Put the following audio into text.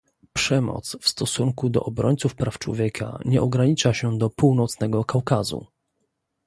Przemoc w stosunku do obrońców praw człowieka nie ogranicza się do północnego Kaukazu